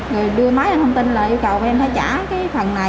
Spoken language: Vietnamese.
rồi đưa máy lên thông tin là yêu cầu em phải trả cái phần này